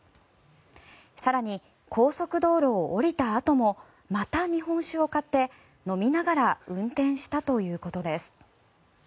更に、高速道路を降りたあともまた日本酒を買って飲みながら運転したということです。